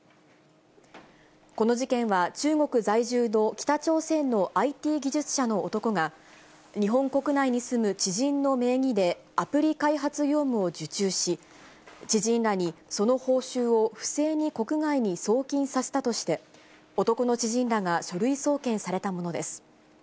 この事件は、中国在住の北朝鮮のＩＴ技術者の男が、日本国内に住む知人の名義で、アプリ開発業務を受注し、知人らにその報酬を不正に国外に送金させたとして、男の知人らが書類送検されたものです。